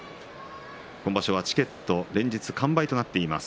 今場所はチケット連日完売となっています